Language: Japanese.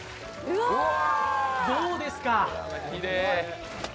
どうですか。